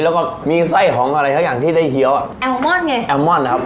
แล้วก็มีไส้ของอะไรสักอย่างที่ได้เคี้ยวอ่ะแอลมอนไงแอลมมอนครับ